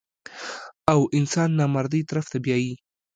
او انسان نامردۍ طرف ته بيائي -